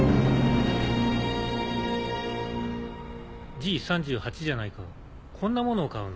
Ｇ３８じゃないかこんなものを買うの？